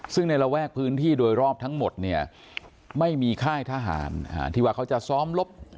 ซึ่งในระแวกพื้นที่โดยรอบทั้งหมดเนี่ยไม่มีค่ายทหารที่ว่าเขาจะซ้อมรบ